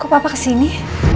kok papa kesini